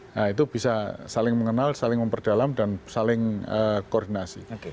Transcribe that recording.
nah itu bisa saling mengenal saling memperdalam dan saling koordinasi